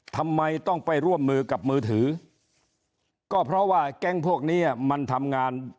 ทำไมต้องไปร่วมมือกับมือถือก็เพราะว่าแก๊งพวกนี้มันทำงาน